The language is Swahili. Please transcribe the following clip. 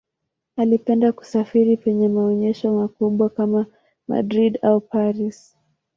Alipenda kusafiri penye maonyesho makubwa kama Madrid au Paris.